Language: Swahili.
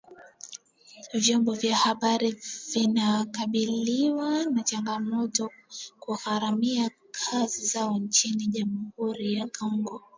Vyombo vya habari vina kabiliwa na changamoto kugharimia kazi zao nchini jamhuri ya kongo